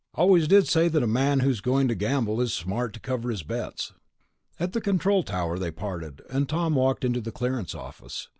Always did say that a man who's going to gamble is smart to cover his bets." At the control tower they parted, and Tom walked into the clearance office.